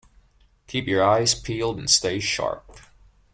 Keep your eyes peeled and stay sharp.